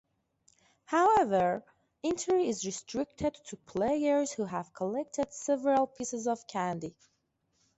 However, entry is restricted to players who have collected several pieces of candy.